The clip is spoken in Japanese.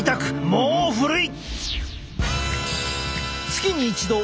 もう古い！